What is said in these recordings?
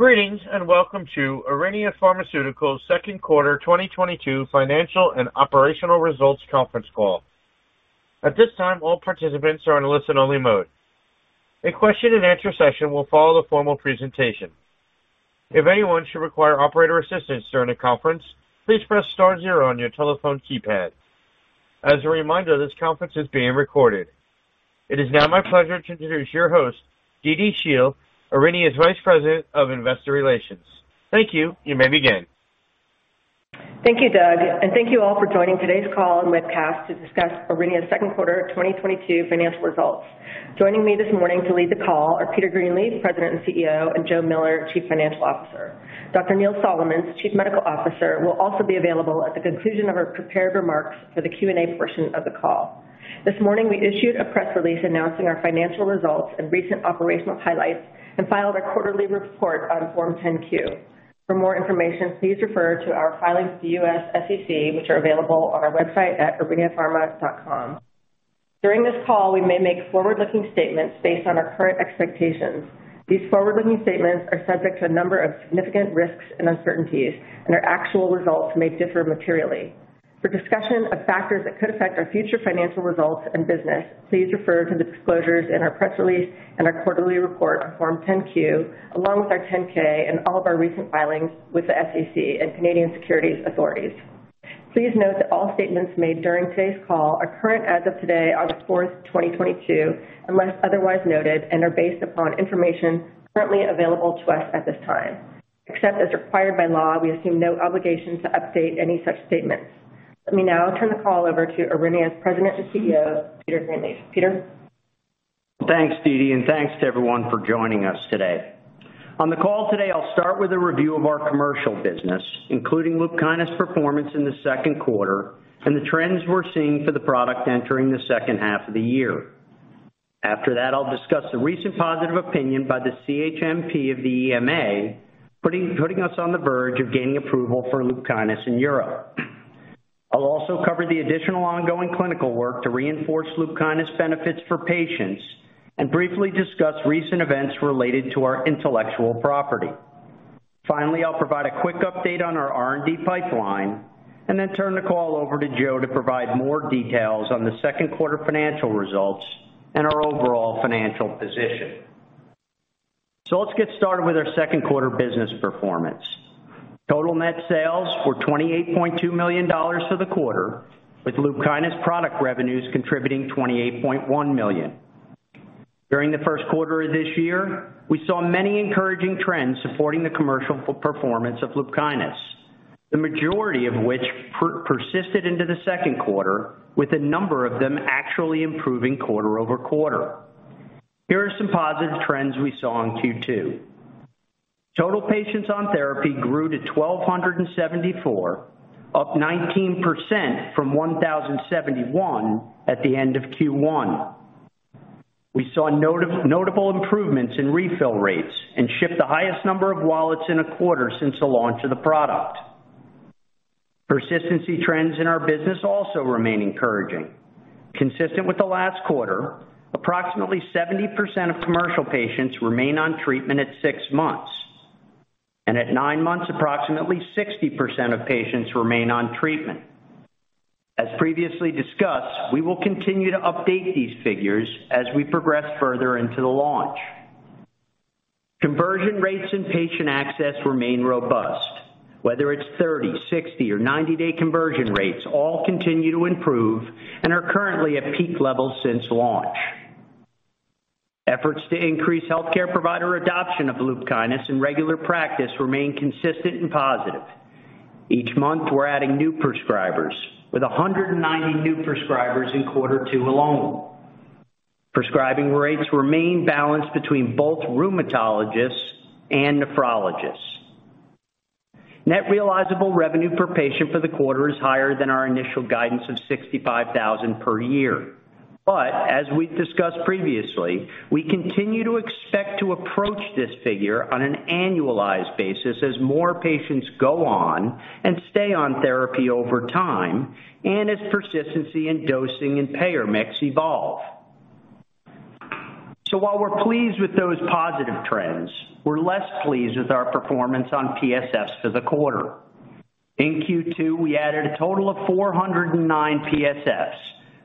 Greetings, and welcome to Aurinia Pharmaceuticals' second quarter 2022 financial and operational results conference call. At this time, all participants are in listen-only mode. A question and answer session will follow the formal presentation. If anyone should require operator assistance during the conference, please press star zero on your telephone keypad. As a reminder, this conference is being recorded. It is now my pleasure to introduce your host, DeDe Sheel, Aurinia's Vice President of Investor Relations. Thank you. You may begin. Thank you, Doug, and thank you all for joining today's call and webcast to discuss Aurinia's second quarter 2022 financial results. Joining me this morning to lead the call are Peter Greenleaf, President and CEO, and Joe Miller, Chief Financial Officer. Dr. Neil Solomons, Chief Medical Officer, will also be available at the conclusion of our prepared remarks for the Q&A portion of the call. This morning, we issued a press release announcing our financial results and recent operational highlights and filed our quarterly report on Form 10-Q. For more information, please refer to our filings with the U.S. SEC, which are available on our website at auriniapharma.com. During this call, we may make forward-looking statements based on our current expectations. These forward-looking statements are subject to a number of significant risks and uncertainties, and our actual results may differ materially. For discussion of factors that could affect our future financial results and business, please refer to the disclosures in our press release and our quarterly report on Form 10-Q, along with our 10-K and all of our recent filings with the SEC and Canadian Securities Administrators. Please note that all statements made during today's call are current as of today, August 4th, 2022, unless otherwise noted, and are based upon information currently available to us at this time. Except as required by law, we assume no obligation to update any such statements. Let me now turn the call over to Aurinia's President and CEO, Peter Greenleaf. Peter? Thanks, DeDe, and thanks to everyone for joining us today. On the call today, I'll start with a review of our commercial business, including LUPKYNIS performance in the second quarter and the trends we're seeing for the product entering the second half of the year. After that, I'll discuss the recent positive opinion by the CHMP of the EMA, putting us on the verge of gaining approval for LUPKYNIS in Europe. I'll also cover the additional ongoing clinical work to reinforce LUPKYNIS benefits for patients and briefly discuss recent events related to our intellectual property. Finally, I'll provide a quick update on our R&D pipeline and then turn the call over to Joe to provide more details on the second quarter financial results and our overall financial position. Let's get started with our second quarter business performance. Total net sales were $28.2 million for the quarter, with LUPKYNIS product revenues contributing $28.1 million. During the first quarter of this year, we saw many encouraging trends supporting the commercial performance of LUPKYNIS, the majority of which persisted into the second quarter, with a number of them actually improving quarter-over-quarter. Here are some positive trends we saw in Q2. Total patients on therapy grew to 1,274, up 19% from 1,071 at the end of Q1. We saw notable improvements in refill rates and shipped the highest number of wallets in a quarter since the launch of the product. Persistency trends in our business also remain encouraging. Consistent with the last quarter, approximately 70% of commercial patients remain on treatment at six months. At nine months, approximately 60% of patients remain on treatment. As previously discussed, we will continue to update these figures as we progress further into the launch. Conversion rates and patient access remain robust. Whether it's 30, 60, or 90-day conversion rates, all continue to improve and are currently at peak levels since launch. Efforts to increase healthcare provider adoption of LUPKYNIS in regular practice remain consistent and positive. Each month, we're adding new prescribers with 190 new prescribers in quarter two alone. Prescribing rates remain balanced between both rheumatologists and nephrologists. Net realizable revenue per patient for the quarter is higher than our initial guidance of $65,000 per year. As we've discussed previously, we continue to expect to approach this figure on an annualized basis as more patients go on and stay on therapy over time and as persistency in dosing and payer mix evolve. While we're pleased with those positive trends, we're less pleased with our performance on PSFs for the quarter. In Q2, we added a total of 409 PSFs,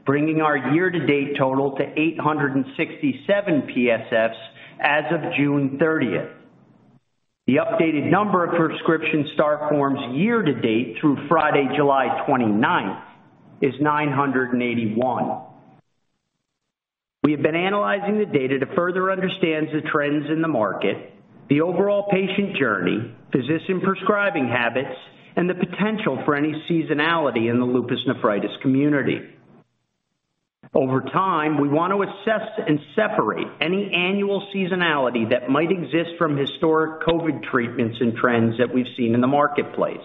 bringing our year-to-date total to 867 PSFs as of June 30th. The updated number of prescription start forms year-to-date through Friday, July 29th is 981. We have been analyzing the data to further understand the trends in the market, the overall patient journey, physician prescribing habits, and the potential for any seasonality in the lupus nephritis community. Over time, we want to assess and separate any annual seasonality that might exist from historic COVID treatments and trends that we've seen in the marketplace.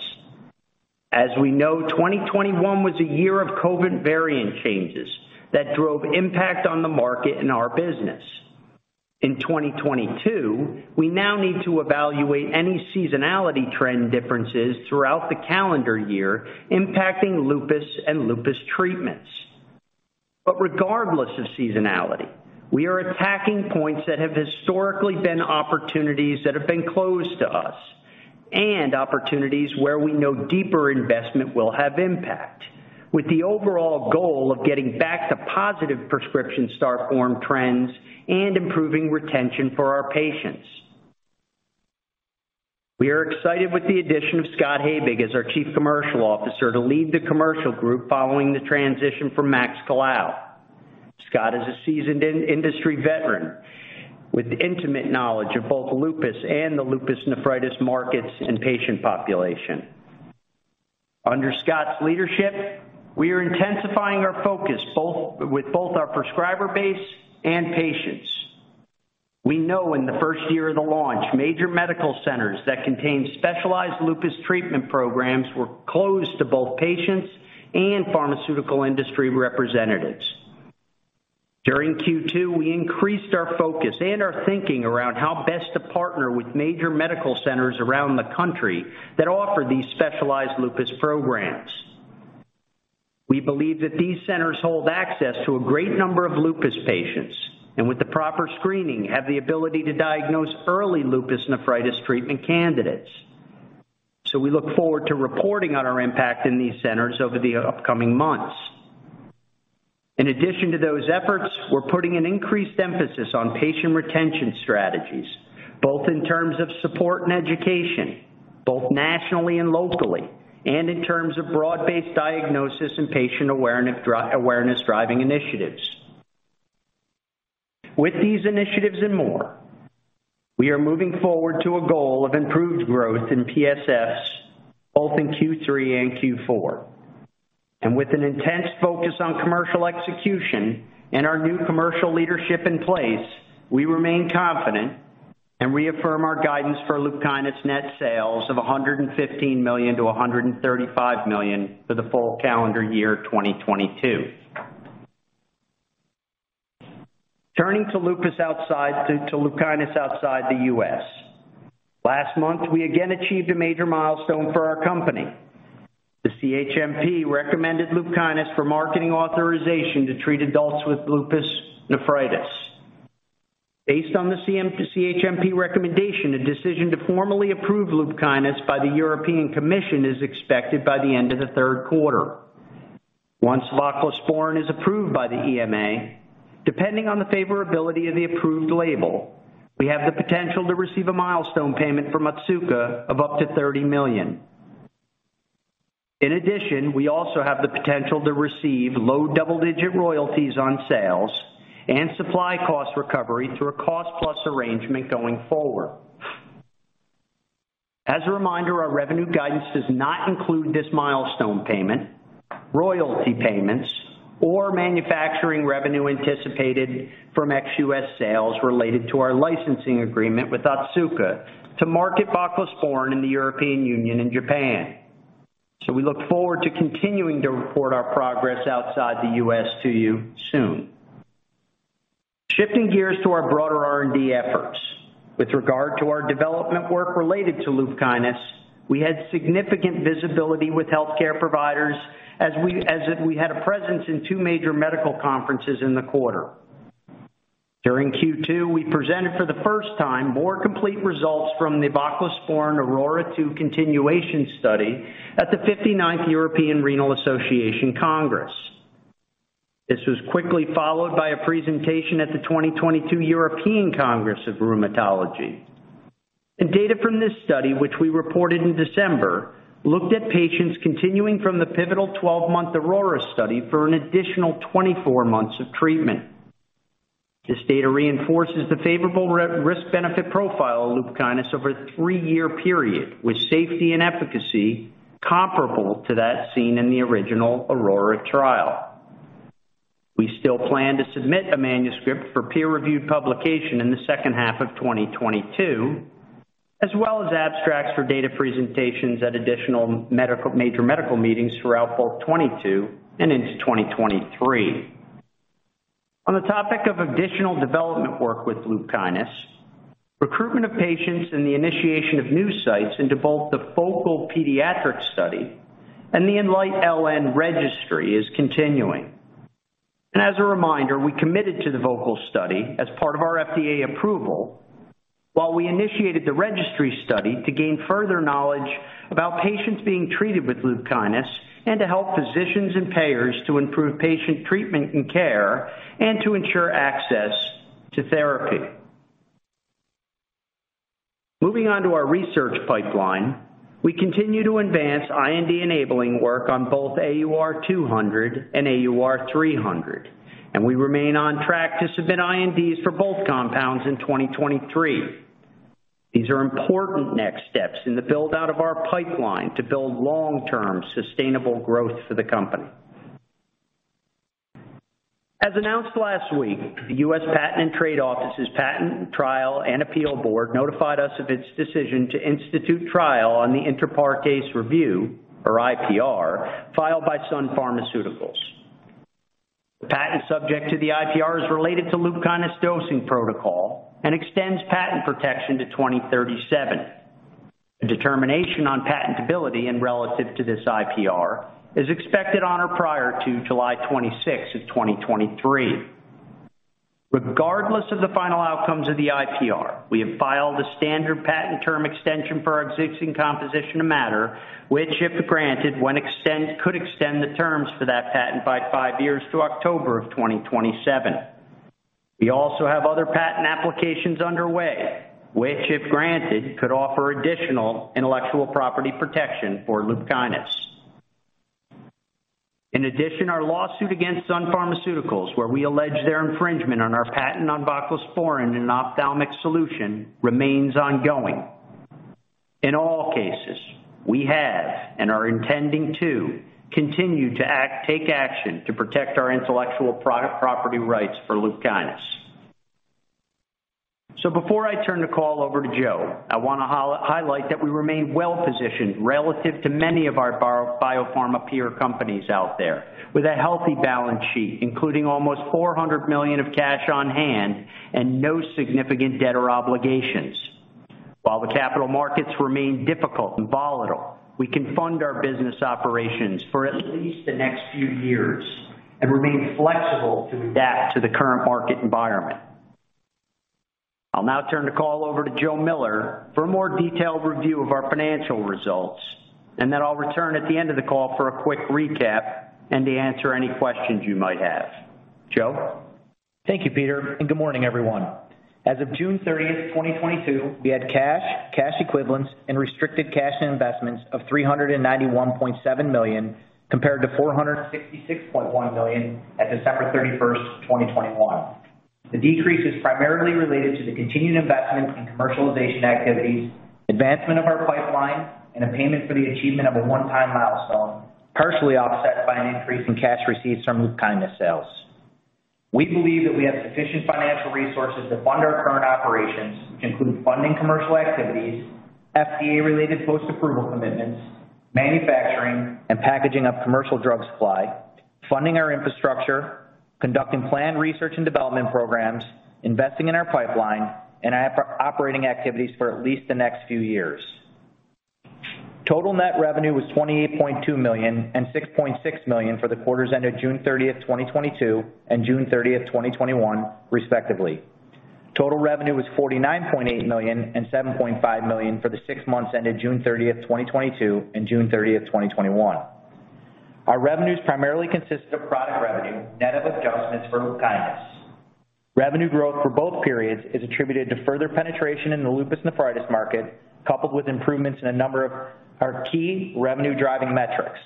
As we know, 2021 was a year of COVID variant changes that drove impact on the market and our business. In 2022, we now need to evaluate any seasonality trend differences throughout the calendar year impacting lupus and lupus treatments. Regardless of seasonality, we are attacking points that have historically been opportunities that have been closed to us and opportunities where we know deeper investment will have impact, with the overall goal of getting back to positive prescription growth trends and improving retention for our patients. We are excited with the addition of Scott Habig as our Chief Commercial Officer to lead the commercial group following the transition from Max Colao. Scott is a seasoned industry veteran with intimate knowledge of both lupus and the lupus nephritis markets and patient population. Under Scott's leadership, we are intensifying our focus with both our prescriber base and patients. We know in the first year of the launch, major medical centers that contain specialized lupus treatment programs were closed to both patients and pharmaceutical industry representatives. During Q2, we increased our focus and our thinking around how best to partner with major medical centers around the country that offer these specialized lupus programs. We believe that these centers hold access to a great number of lupus patients, and with the proper screening, have the ability to diagnose early lupus nephritis treatment candidates. We look forward to reporting on our impact in these centers over the upcoming months. In addition to those efforts, we're putting an increased emphasis on patient retention strategies, both in terms of support and education, both nationally and locally, and in terms of broad-based diagnosis and patient awareness-driving initiatives. With these initiatives and more, we are moving forward to a goal of improved growth in PSFs both in Q3 and Q4. With an intense focus on commercial execution and our new commercial leadership in place, we remain confident and reaffirm our guidance for LUPKYNIS net sales of $115 million-$135 million for the full calendar year 2022. Turning to LUPKYNIS outside the U.S. Last month, we again achieved a major milestone for our company. The CHMP recommended LUPKYNIS for marketing authorization to treat adults with lupus nephritis. Based on the CHMP recommendation, a decision to formally approve LUPKYNIS by the European Commission is expected by the end of the third quarter. Once voclosporin is approved by the EMA, depending on the favorability of the approved label, we have the potential to receive a milestone payment from Otsuka of up to $30 million. In addition, we also have the potential to receive low double-digit royalties on sales and supply cost recovery through a cost-plus arrangement going forward. As a reminder, our revenue guidance does not include this milestone payment, royalty payments, or manufacturing revenue anticipated from ex-U.S. sales related to our licensing agreement with Otsuka to market voclosporin in the European Union and Japan. We look forward to continuing to report our progress outside the U.S. to you soon. Shifting gears to our broader R&D efforts. With regard to our development work related to LUPKYNIS, we had significant visibility with healthcare providers as we had a presence in two major medical conferences in the quarter. During Q2, we presented for the first time more complete results from the voclosporin AURORA 2 continuation study at the 59th European Renal Association Congress. This was quickly followed by a presentation at the 2022 European Congress of Rheumatology. Data from this study, which we reported in December, looked at patients continuing from the pivotal 12-month AURORA study for an additional 24 months of treatment. This data reinforces the favorable risk benefit profile of LUPKYNIS over a three-year period, with safety and efficacy comparable to that seen in the original AURORA trial. We still plan to submit a manuscript for peer-reviewed publication in the second half of 2022, as well as abstracts for data presentations at additional major medical meetings throughout both 2022 and into 2023. On the topic of additional development work with LUPKYNIS, recruitment of patients and the initiation of new sites into both the VOCAL pediatric study and the ENLIGHT-LN registry is continuing. As a reminder, we committed to the VOCAL study as part of our FDA approval, while we initiated the registry study to gain further knowledge about patients being treated with LUPKYNIS and to help physicians and payers to improve patient treatment and care and to ensure access to therapy. Moving on to our research pipeline, we continue to advance IND-enabling work on both AUR200 and AUR300, and we remain on track to submit INDs for both compounds in 2023. These are important next steps in the build-out of our pipeline to build long-term sustainable growth for the company. As announced last week, the U.S. Patent and Trademark Office's Patent Trial and Appeal Board notified us of its decision to institute trial on the inter partes review, or IPR, filed by Sun Pharmaceuticals. The patent subject to the IPR is related to LUPKYNIS dosing protocol and extends patent protection to 2037. A determination on patentability and relative to this IPR is expected on or prior to July 26, 2023. Regardless of the final outcomes of the IPR, we have filed a standard patent term extension for our existing composition of matter, which, if granted, would extend the term for that patent by five years to October of 2027. We also have other patent applications underway, which, if granted, could offer additional intellectual property protection for LUPKYNIS. In addition, our lawsuit against Sun Pharmaceuticals, where we allege their infringement on our patent on voclosporin in an ophthalmic solution, remains ongoing. In all cases, we have and are intending to continue to act, take action to protect our intellectual property rights for LUPKYNIS. Before I turn the call over to Joe, I want to highlight that we remain well-positioned relative to many of our biopharma peer companies out there with a healthy balance sheet, including almost $400 million of cash on hand and no significant debt or obligations. While the capital markets remain difficult and volatile, we can fund our business operations for at least the next few years and remain flexible to adapt to the current market environment. I'll now turn the call over to Joe Miller for a more detailed review of our financial results, and then I'll return at the end of the call for a quick recap and to answer any questions you might have. Joe? Thank you, Peter, and good morning, everyone. As of June 30, 2022, we had cash equivalents, and restricted cash and investments of $391.7 million, compared to $466.1 million at December 31st, 2021. The decrease is primarily related to the continued investments in commercialization activities, advancement of our pipeline, and a payment for the achievement of a one-time milestone, partially offset by an increase in cash received from LUPKYNIS sales. We believe that we have sufficient financial resources to fund our current operations, which include funding commercial activities, FDA-related post-approval commitments, manufacturing and packaging of commercial drug supply, funding our infrastructure, conducting planned research and development programs, investing in our pipeline, and operating activities for at least the next few years. Total net revenue was $28.2 million and $6.6 million for the quarters ended June 30, 2022, and June 30, 2021, respectively. Total revenue was $49.8 million and $7.5 million for the six months ended June 30, 2022, and June 30, 2021. Our revenues primarily consisted of product revenue, net of adjustments for LUPKYNIS. Revenue growth for both periods is attributed to further penetration in the lupus nephritis market, coupled with improvements in a number of our key revenue-driving metrics.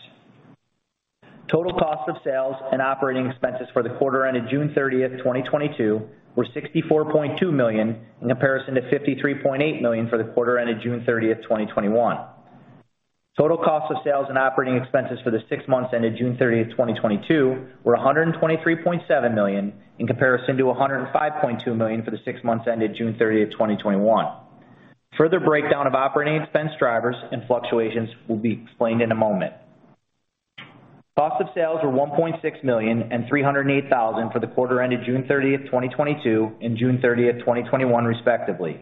Total cost of sales and operating expenses for the quarter ended June 30, 2022, were $64.2 million, in comparison to $53.8 million for the quarter ended June 30, 2021. Total cost of sales and operating expenses for the six months ended June 30, 2022, were $123.7 million, in comparison to $105.2 million for the six months ended June 30, 2021. Further breakdown of operating expense drivers and fluctuations will be explained in a moment. Cost of sales were $1.6 million and $308,000 for the quarter ended June 30, 2022, and June 30, 2021, respectively.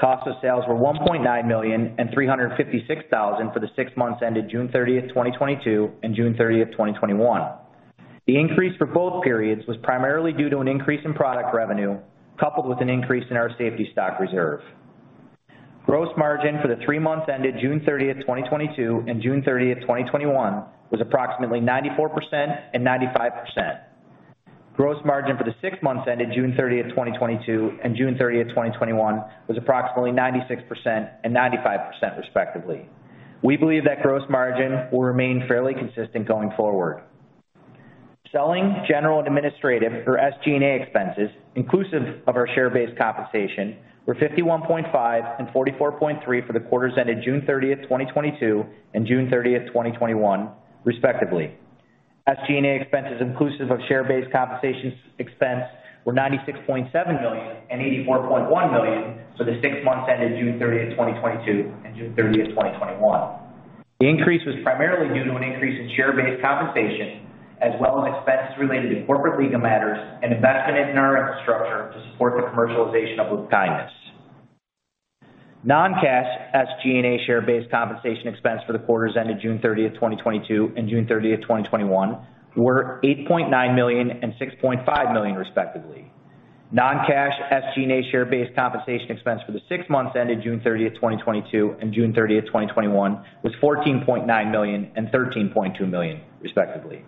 Cost of sales were $1.9 million and $356,000 for the six months ended June 30, 2022, and June 30, 2021. The increase for both periods was primarily due to an increase in product revenue, coupled with an increase in our safety stock reserve. Gross margin for the three months ended June 30, 2022, and June 30, 2021, was approximately 94% and 95%. Gross margin for the 6 months ended June 30, 2022, and June 30, 2021, was approximately 96% and 95%, respectively. We believe that gross margin will remain fairly consistent going forward. Selling, general, and administrative or SG&A expenses inclusive of our share-based compensation were $51.5 million and $44.3 million for the quarters ended June 30, 2022, and June 30, 2021, respectively. SG&A expenses inclusive of share-based compensation expense were $96.7 million and $84.1 million for the 6 months ended June 30, 2022, and June 30, 2021. The increase was primarily due to an increase in share-based compensation as well as expenses related to corporate legal matters and investment in our infrastructure to support the commercialization of LUPKYNIS. Non-cash SG&A share-based compensation expense for the quarters ended June 30, 2022, and June 30, 2021, were $8.9 million and $6.5 million, respectively. Non-cash SG&A share-based compensation expense for the six months ended June 30, 2022, and June 30, 2021, was $14.9 million and $13.2 million, respectively.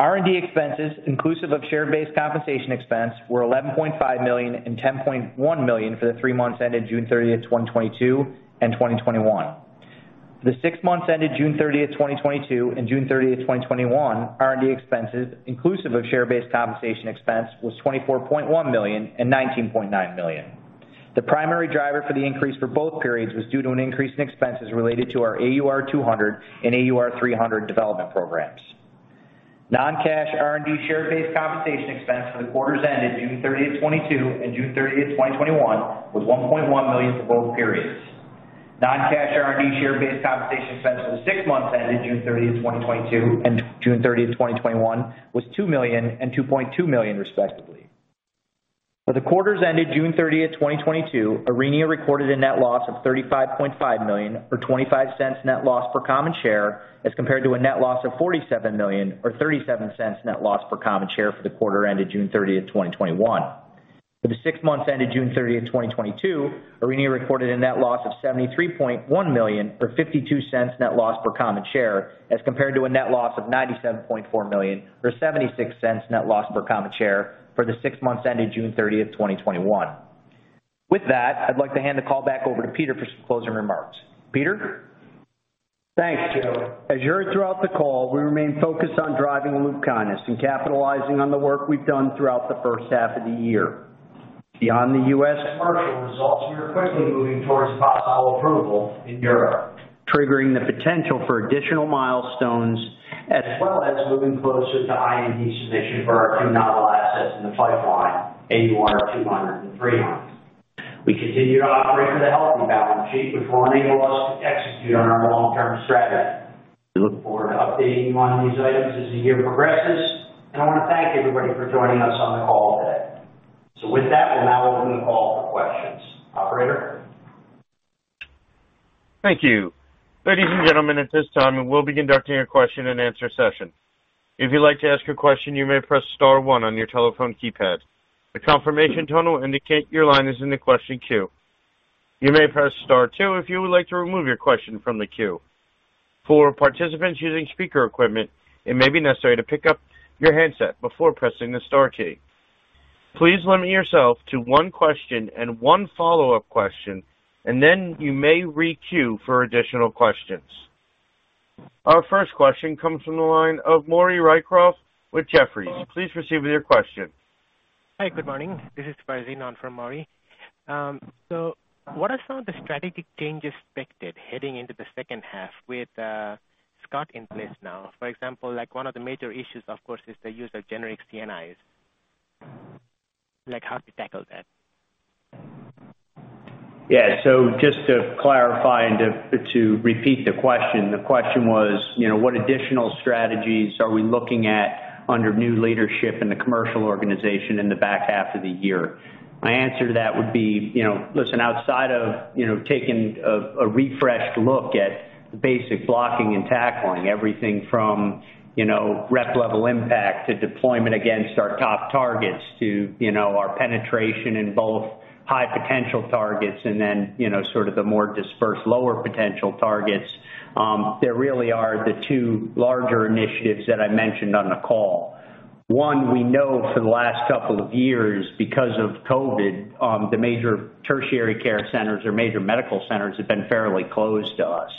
R&D expenses inclusive of share-based compensation expense were $11.5 million and $10.1 million for the three months ended June 30, 2022, and 2021. The six months ended June 30, 2022, and June 30, 2021, R&D expenses inclusive of share-based compensation expense was $24.1 million and $19.9 million. The primary driver for the increase for both periods was due to an increase in expenses related to our AUR200 and AUR300 development programs. Non-cash R&D share-based compensation expense for the quarters ended June 30, 2022, and June 30, 2021, was $1.1 million for both periods. Non-cash R&D share-based compensation expense for the six months ended June 30, 2022, and June 30, 2021, was $2 million and $2.2 million, respectively. For the quarters ended June 30, 2022, Aurinia recorded a net loss of $35.5 million, or $0.25 net loss per common share, as compared to a net loss of $47 million or $0.37 net loss per common share for the quarter ended June 30, 2021. For the six months ended June 30, 2022, Aurinia recorded a net loss of $73.1 million or $0.52 net loss per common share, as compared to a net loss of $97.4 million or $0.76 net loss per common share for the six months ending June 30, 2021. With that, I'd like to hand the call back over to Peter for some closing remarks. Peter? Thanks, Joe. As you heard throughout the call, we remain focused on driving LUPKYNIS and capitalizing on the work we've done throughout the first half of the year. Beyond the U.S. commercial results, we are quickly moving towards possible approval in Europe, triggering the potential for additional milestones as well as moving closer to IND submission for our two novel assets in the pipeline, AUR200 and AUR300. We continue to operate with a healthy balance sheet, which will enable us to execute on our long-term strategy. We look forward to updating you on these items as the year progresses, and I want to thank everybody for joining us on the call today. With that, we'll now open the call for questions. Operator? Thank you. Ladies and gentlemen, at this time, we'll be conducting a question-and-answer session. If you'd like to ask a question, you may press star one on your telephone keypad. The confirmation tone will indicate your line is in the question queue. You may press star two if you would like to remove your question from the queue. For participants using speaker equipment, it may be necessary to pick up your handset before pressing the star key. Please limit yourself to one question and one follow-up question, and then you may re-queue for additional questions. Our first question comes from the line of Maury Raycroft with Jefferies. Please proceed with your question. Hi. Good morning. This is Farzinn on for Maury. What are some of the strategic changes expected heading into the second half with Scott in place now? For example, like one of the major issues, of course, is the use of generic CNIs. Like, how do you tackle that? Yeah. Just to clarify and to repeat the question. The question was, you know, what additional strategies are we looking at under new leadership in the commercial organization in the back half of the year? My answer to that would be, you know, listen, outside of, you know, taking a refreshed look at the basic blocking and tackling everything from, you know, rep level impact to deployment against our top targets to, you know, our penetration in both high potential targets and then, you know, sort of the more dispersed lower potential targets, there really are the two larger initiatives that I mentioned on the call. One, we know for the last couple of years, because of COVID, the major tertiary care centers or major medical centers have been fairly closed to us.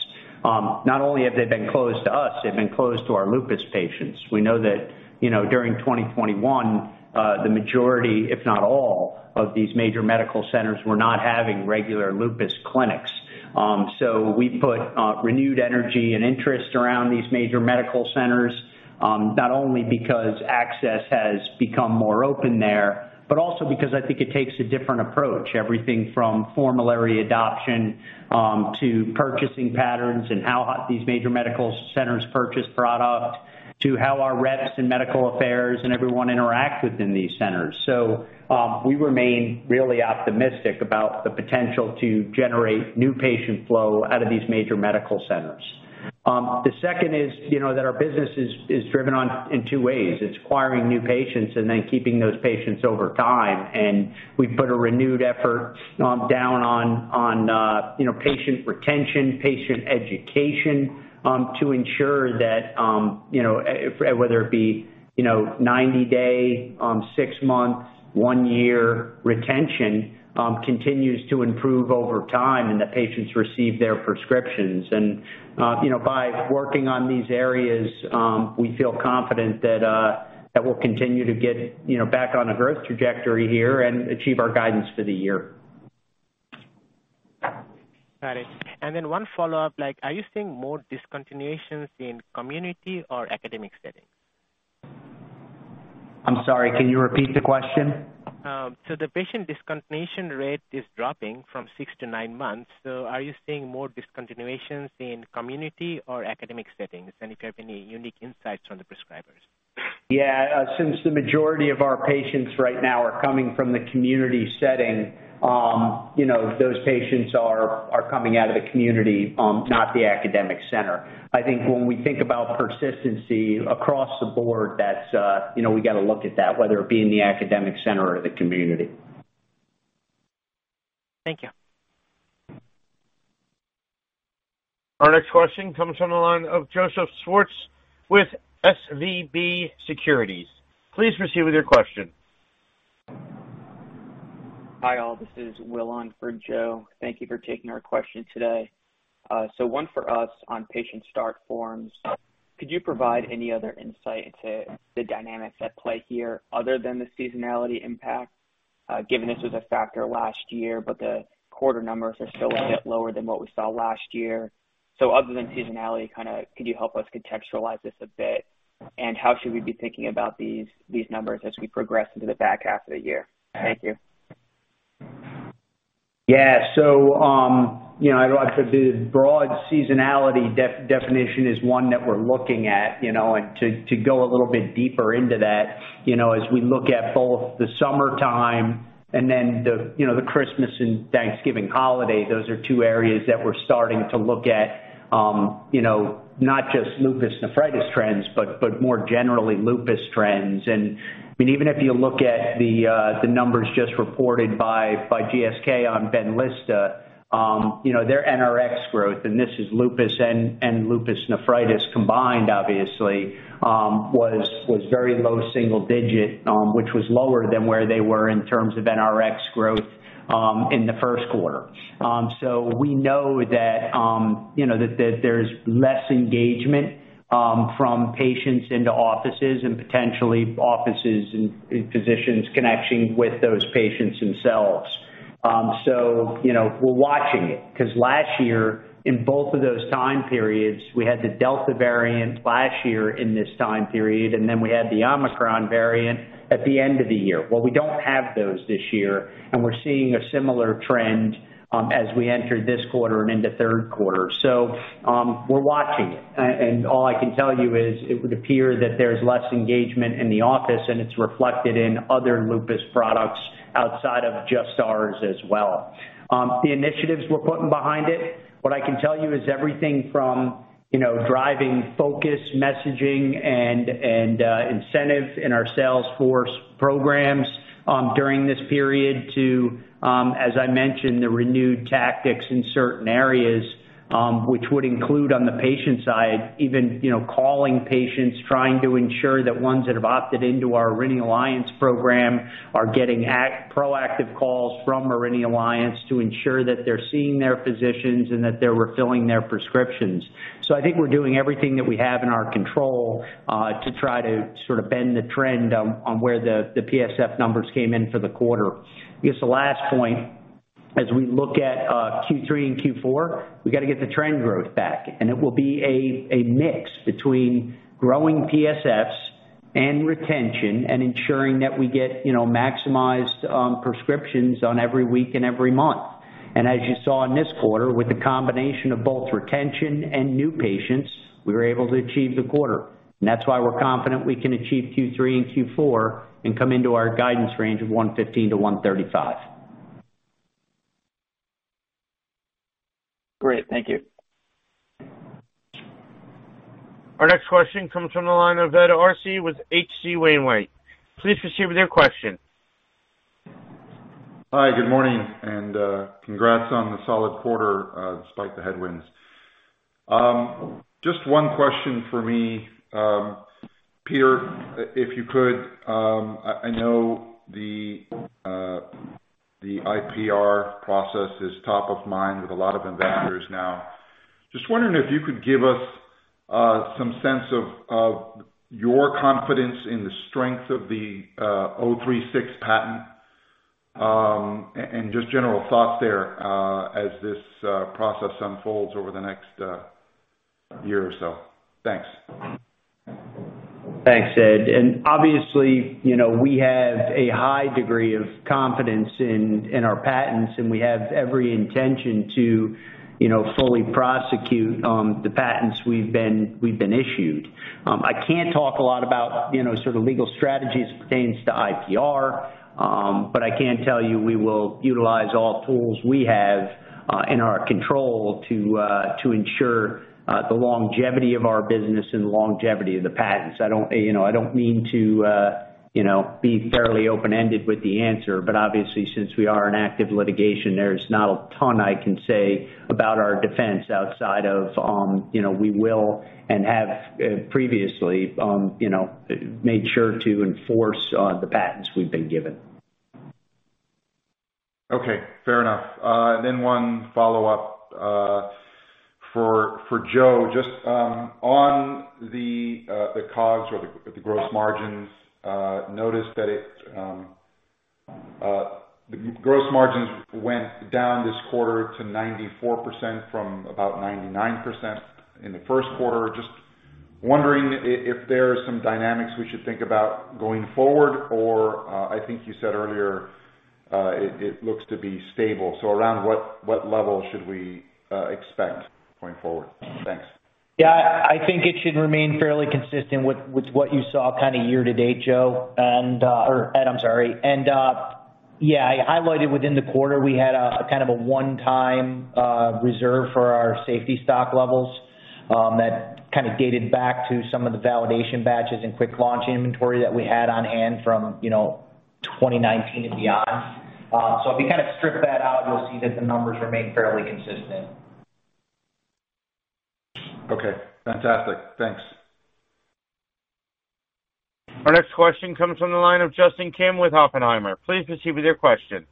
Not only have they been closed to us, they've been closed to our lupus patients. We know that, you know, during 2021, the majority, if not all of these major medical centers were not having regular lupus clinics. We put renewed energy and interest around these major medical centers, not only because access has become more open there, but also because I think it takes a different approach. Everything from formulary adoption, to purchasing patterns and how these major medical centers purchase product, to how our reps in medical affairs and everyone interacts within these centers. We remain really optimistic about the potential to generate new patient flow out of these major medical centers. The second is, you know, that our business is driven in two ways. It's acquiring new patients and then keeping those patients over time. We put a renewed effort down on you know patient retention, patient education, to ensure that you know whether it be you know 90-day, six months, one year retention continues to improve over time, and the patients receive their prescriptions. You know by working on these areas we feel confident that that we'll continue to get you know back on a growth trajectory here and achieve our guidance for the year. Got it. One follow-up, like, are you seeing more discontinuations in community or academic settings? I'm sorry, can you repeat the question? The patient discontinuation rate is dropping from six to nine months. Are you seeing more discontinuations in community or academic settings? If you have any unique insights from the prescribers? Yeah. Since the majority of our patients right now are coming from the community setting, you know, those patients are coming out of the community, not the academic center. I think when we think about persistency across the board, that's, you know, we got to look at that, whether it be in the academic center or the community. Thank you. Our next question comes from the line of Joseph Schwartz with SVB Securities. Please proceed with your question. Hi, all. This is Will on for Joe. Thank you for taking our question today. One for us on patient start forms. Could you provide any other insight into the dynamics at play here other than the seasonality impact? Given this was a factor last year, but the quarter numbers are still a bit lower than what we saw last year. Other than seasonality, could you help us contextualize this a bit? How should we be thinking about these numbers as we progress into the back half of the year? Thank you. Yeah. I'd like to do broad seasonality definition is one that we're looking at, you know, and to go a little bit deeper into that, you know, as we look at both the summertime and then the, you know, the Christmas and Thanksgiving holiday, those are two areas that we're starting to look at, you know, not just lupus nephritis trends, but more generally lupus trends. I mean, even if you look at the numbers just reported by GSK on BENLYSTA, you know, their NRX growth, and this is lupus and lupus nephritis combined obviously, was very low single digit, which was lower than where they were in terms of NRX growth in the first quarter. We know that, you know, that there's less engagement from patients into offices and potentially offices and physicians connecting with those patients themselves. You know, we're watching it because last year, in both of those time periods, we had the Delta variant last year in this time period, and then we had the Omicron variant at the end of the year. Well, we don't have those this year, and we're seeing a similar trend as we enter this quarter and into third quarter. We're watching it. All I can tell you is it would appear that there's less engagement in the office, and it's reflected in other lupus products outside of just ours as well. The initiatives we're putting behind it, what I can tell you is everything from, you know, driving focused messaging and incentives in our sales force programs during this period to, as I mentioned, the renewed tactics in certain areas, which would include on the patient side even, you know, calling patients, trying to ensure that ones that have opted into our Aurinia Alliance program are getting proactive calls from Aurinia Alliance to ensure that they're seeing their physicians and that they're refilling their prescriptions. I think we're doing everything that we have in our control to try to sort of bend the trend on where the PSF numbers came in for the quarter. I guess the last point as we look at Q3 and Q4, we got to get the trend growth back, and it will be a mix between growing PSFS and retention and ensuring that we get, you know, maximized prescriptions in every week and every month. As you saw in this quarter, with the combination of both retention and new patients, we were able to achieve the quarter. That's why we're confident we can achieve Q3 and Q4 and come into our guidance range of $115 million-$135 million. Great. Thank you. Our next question comes from the line of Ed Arce with H.C. Wainwright. Please proceed with your question. Hi, good morning and congrats on the solid quarter despite the headwinds. Just one question for me. Peter, if you could, I know the IPR process is top of mind with a lot of investors now. Just wondering if you could give us some sense of your confidence in the strength of the 036 patent and just general thoughts there as this process unfolds over the next year or so. Thanks. Thanks, Ed. Obviously, you know, we have a high degree of confidence in our patents, and we have every intention to, you know, fully prosecute the patents we've been issued. I can't talk a lot about, you know, sort of legal strategies as it pertains to IPR, but I can tell you we will utilize all tools we have in our control to ensure the longevity of our business and the longevity of the patents. I don't, you know, I don't mean to, you know, be fairly open-ended with the answer, but obviously, since we are an active litigation, there's not a ton I can say about our defense outside of, you know, we will and have previously, you know, made sure to enforce the patents we've been given. Okay, fair enough. One follow-up for Joe. Just on the COGS or the gross margins, noticed that the gross margins went down this quarter to 94% from about 99% in the first quarter. Just wondering if there are some dynamics we should think about going forward or, I think you said earlier, it looks to be stable. Around what level should we expect going forward? Thanks. Yeah. I think it should remain fairly consistent with what you saw kind of year to date, Joe, or Ed, I'm sorry. Yeah, I highlighted within the quarter we had a one-time reserve for our safety stock levels that kind of dated back to some of the validation batches and quick launch inventory that we had on hand from, you know, 2019 and beyond. So if you kind of strip that out, you'll see that the numbers remain fairly consistent. Okay. Fantastic. Thanks. Our next question comes from the line of Justin Kim with Oppenheimer. Please proceed with your question.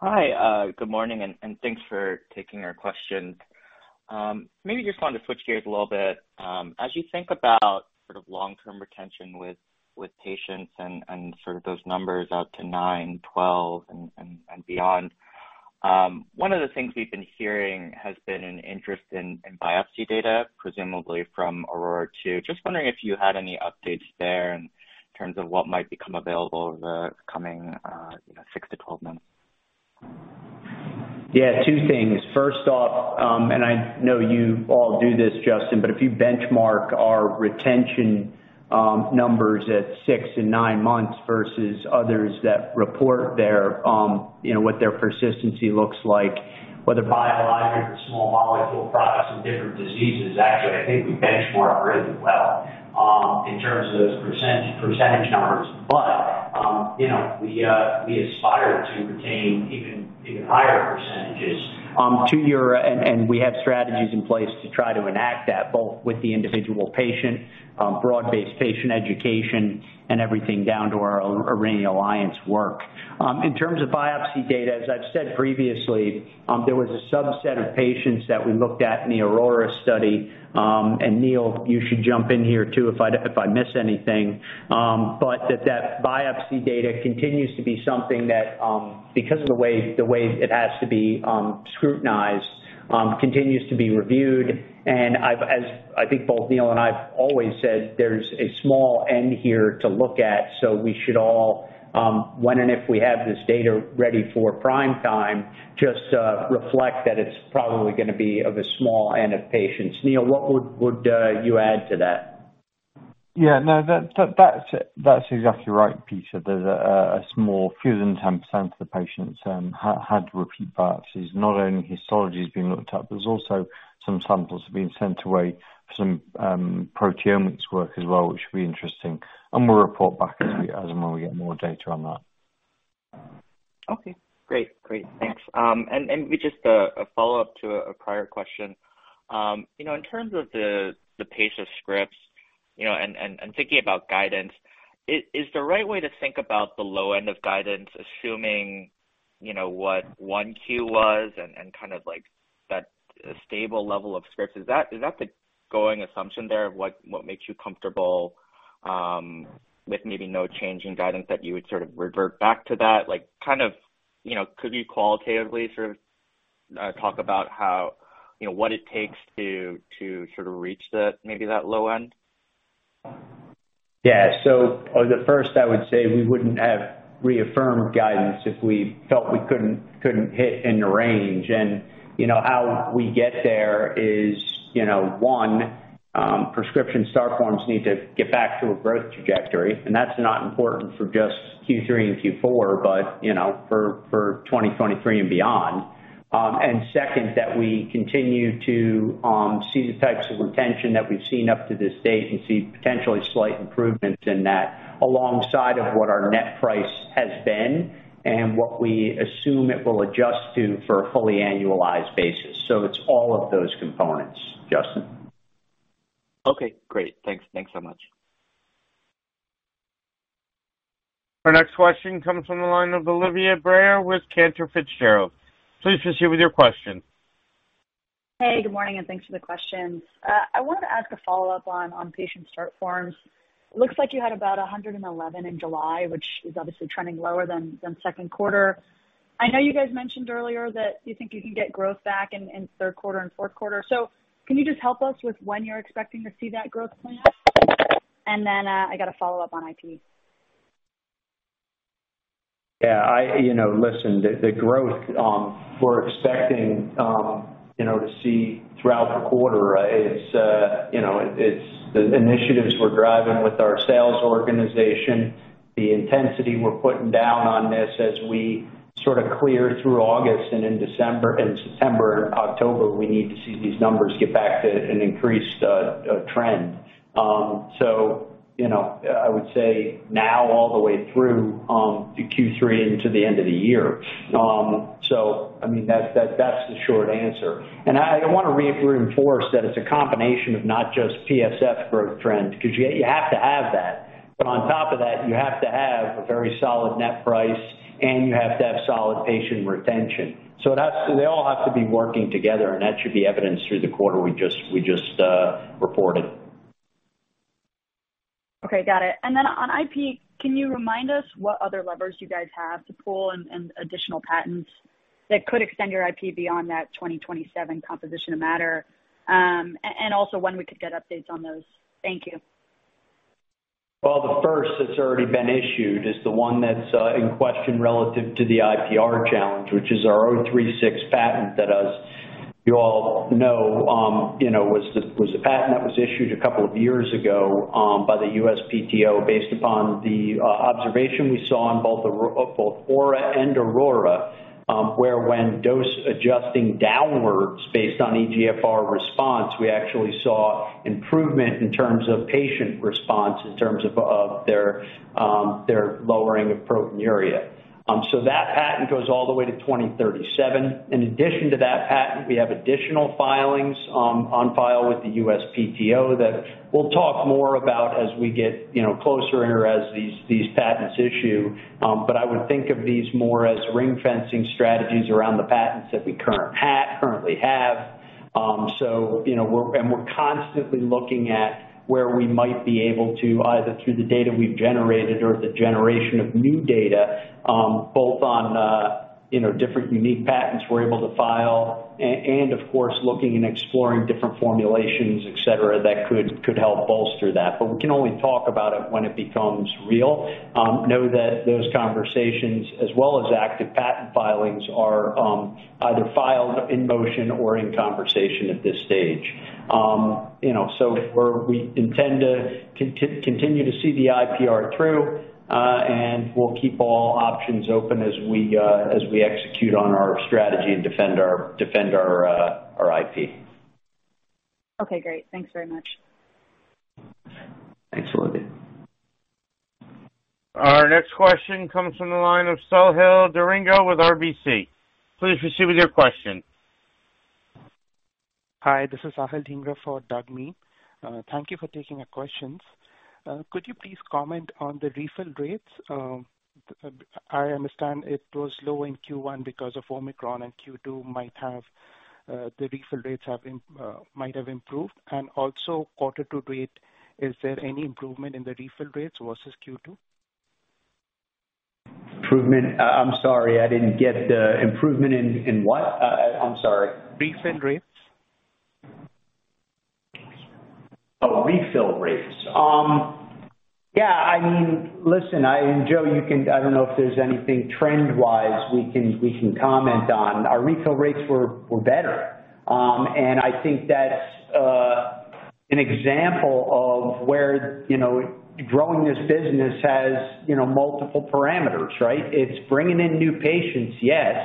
Hi. Good morning, and thanks for taking our question. Maybe just wanted to switch gears a little bit. As you think about sort of long-term retention with patients and sort of those numbers out to nine, 12, and beyond, one of the things we've been hearing has been an interest in biopsy data, presumably from AURORA 2. Just wondering if you had any updates there in terms of what might become available over the coming, you know, six to 12 months. Yeah, two things. First off, I know you all do this, Justin, but if you benchmark our retention numbers at six and nine months versus others that report their, you know, what their persistency looks like, whether biologic or small molecule products in different diseases. Actually, I think we benchmark really well, in terms of those percentage numbers. You know, we aspire to retain even higher percentages, to your. We have strategies in place to try to enact that, both with the individual patient, broad-based patient education and everything down to our own Aurinia Alliance work. In terms of biopsy data, as I've said previously, there was a subset of patients that we looked at in the AURORA study. Neil, you should jump in here too if I miss anything. That biopsy data continues to be something that, because of the way it has to be scrutinized, continues to be reviewed. I've, as I think both Neil and I have always said, there's a small N here to look at, so we should all, when and if we have this data ready for prime time, just reflect that it's probably gonna be of a small N of patients. Neil, what would you add to that? Yeah, no, that's exactly right, Peter. There's a small fewer than 10% of the patients had to repeat biopsies. Not only histology is being looked at, but there's also some samples are being sent away for some proteomics work as well, which will be interesting. We'll report back as we get more data on that. Okay, great. Great. Thanks. And just a follow-up to a prior question. You know, in terms of the pace of scripts, you know, and thinking about guidance, is the right way to think about the low end of guidance, assuming, you know, what one Q was and kind of like that stable level of scripts, is that the going assumption there of what makes you comfortable with maybe no change in guidance that you would sort of revert back to that? Like, kind of, you know, could you qualitatively sort of talk about how you know, what it takes to sort of reach that, maybe that low end? Yeah. The first, I would say, we wouldn't have reaffirmed guidance if we felt we couldn't hit the range. You know how we get there is, you know, one, prescription start forms need to get back to a growth trajectory. That's important for just Q3 and Q4, but you know, for 2023 and beyond. Second, that we continue to see the types of retention that we've seen up to this date and see potentially slight improvements in that alongside of what our net price has been and what we assume it will adjust to for a fully annualized basis. It's all of those components, Justin. Okay, great. Thanks. Thanks so much. Our next question comes from the line of Olivia Brayer with Cantor Fitzgerald. Please proceed with your question. Hey, good morning, and thanks for the questions. I wanted to ask a follow-up on patient start forms. Looks like you had about 111 in July, which is obviously trending lower than second quarter. I know you guys mentioned earlier that you think you can get growth back in third quarter and fourth quarter. Can you just help us with when you're expecting to see that growth plan? And then, I got a follow-up on IP. Yeah. You know, listen, the growth we're expecting, you know, to see throughout the quarter, right? It's, you know, it's the initiatives we're driving with our sales organization, the intensity we're putting down on this as we sort of clear through August and in December and September and October, we need to see these numbers get back to an increased trend. You know, I would say now all the way through to Q3 into the end of the year. I mean, that's the short answer. I wanna reinforce that it's a combination of not just PSF growth trends, 'cause you have to have that. On top of that, you have to have a very solid net price, and you have to have solid patient retention. It has. They all have to be working together, and that should be evidenced through the quarter we just reported. Okay, got it. On IP, can you remind us what other levers you guys have to pull and additional patents that could extend your IP beyond that 2027 composition of matter? Also when we could get updates on those. Thank you. Well, the first that's already been issued is the one that's in question relative to the IPR challenge, which is our 036 patent that as you all know, you know, was the patent that was issued a couple of years ago by the USPTO based upon the observation we saw on both AURA and AURORA, where when dose adjusting downwards based on eGFR response, we actually saw improvement in terms of patient response in terms of their lowering of proteinuria. That patent goes all the way to 2037. In addition to that patent, we have additional filings on file with the USPTO that we'll talk more about as we get closer in or as these patents issue. I would think of these more as ring fencing strategies around the patents that we currently have. You know, we're constantly looking at where we might be able to, either through the data we've generated or the generation of new data, both on, you know, different unique patents we're able to file and, of course, looking and exploring different formulations, et cetera, that could help bolster that. We can only talk about it when it becomes real. Know that those conversations as well as active patent filings are either filed in motion or in conversation at this stage. You know, we intend to continue to see the IPR through, and we'll keep all options open as we execute on our strategy and defend our IP. Okay, great. Thanks very much. Thanks, Olivia. Our next question comes from the line of Sahil Dhingra with RBC. Please proceed with your question. Hi, this is Sahil Dhingra for Douglas Miehm. Thank you for taking our questions. Could you please comment on the refill rates? I understand it was low in Q1 because of Omicron and Q2 might have improved. Also quarter to date, is there any improvement in the refill rates versus Q2? I'm sorry, I didn't get. Improvement in what? I'm sorry. Refill rates. Oh, refill rates. Yeah. I mean, listen. Joe, you can... I don't know if there's anything trend-wise we can comment on. Our refill rates were better. I think that's an example of where, you know, growing this business has, you know, multiple parameters, right? It's bringing in new patients, yes,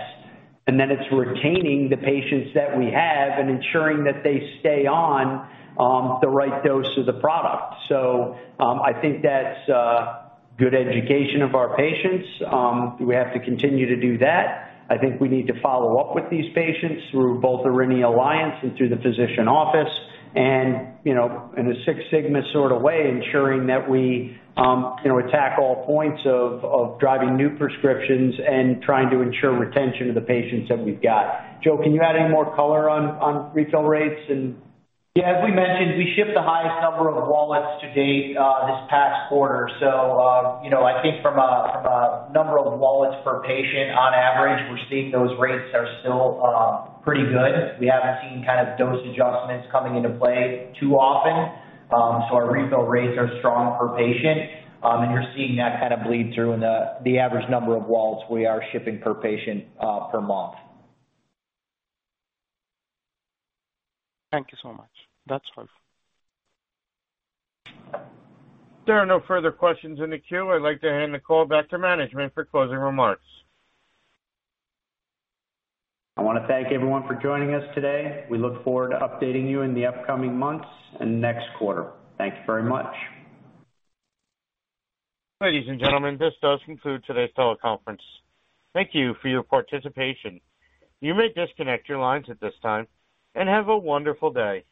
and then it's retaining the patients that we have and ensuring that they stay on the right dose of the product. I think that's good education of our patients. We have to continue to do that. I think we need to follow up with these patients through both the Aurinia Alliance and through the physician office. You know, in a Six Sigma sort of way, ensuring that we, you know, attack all points of driving new prescriptions and trying to ensure retention of the patients that we've got. Joe, can you add any more color on refill rates and? Yeah. As we mentioned, we shipped the highest number of wallets to date, this past quarter. You know, I think from a number of wallets per patient on average, we're seeing those rates are still pretty good. We haven't seen kind of dose adjustments coming into play too often. Our refill rates are strong per patient. You're seeing that kind of bleed through in the average number of wallets we are shipping per patient, per month. Thank you so much. That's helpful. There are no further questions in the queue. I'd like to hand the call back to management for closing remarks. I wanna thank everyone for joining us today. We look forward to updating you in the upcoming months and next quarter. Thank you very much. Ladies and gentlemen, this does conclude today's teleconference. Thank you for your participation. You may disconnect your lines at this time, and have a wonderful day.